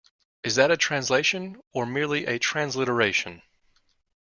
Is that a translation, or merely a transliteration?